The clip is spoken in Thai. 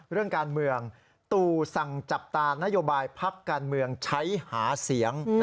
เรื่องการเมืองตู่สั่งจับตานโยบายพักการเมืองใช้หาเสียง